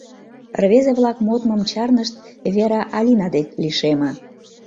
Рвезе-влак модмым чарнышт, Вера Алина дек лишеме.